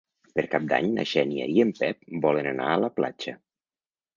Per Cap d'Any na Xènia i en Pep volen anar a la platja.